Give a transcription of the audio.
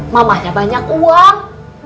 mamahnya banyak uang